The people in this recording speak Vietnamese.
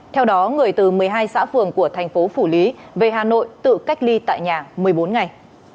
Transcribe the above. theo đó người từ một mươi hai xã phường của thành phố phủ lý về hà nội tự cách ly tại nhà một mươi bốn ngày